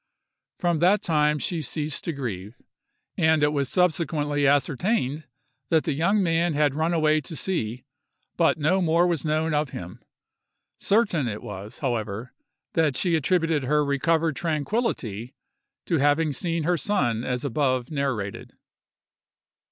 From that time she ceased to grieve, and it was subsequently ascertained that the young man had run away to sea; but no more was known of him. Certain it was, however, that she attributed her recovered tranquillity to having seen her son as above narrated.